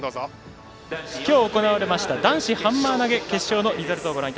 きょう行われました男子ハンマー投げ決勝のリザルトです。